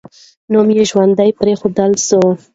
نوم یې ژوندی پرېښودل سو.